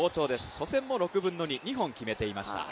初戦も６分の２、２本決めていました。